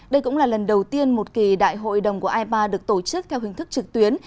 đây cũng là lần đầu tiên một kỳ đại hội đồng của ipa được tổ chức theo hình thức trực tuyến